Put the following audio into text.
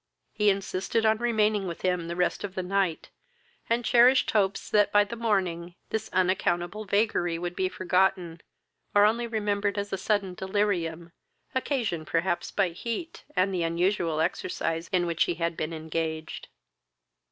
He insisted on remaining with him the rest of the night, and cherished hopes that by the morning this unaccountable vagary would be forgotten, or only remembered as a sudden delirium, occasioned perhaps by heat, and the unusual exercise in which he had been engaged.